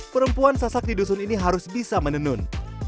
perempuan sasak di dusun ini harus bisa menenun